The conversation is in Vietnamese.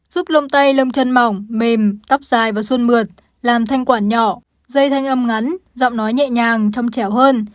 giúp lông tay lông chân mỏng mềm tóc dài và xuân mượt làm thanh quản nhỏ dây thanh âm ngắn giọng nói nhẹ nhàng trong chẻo hơn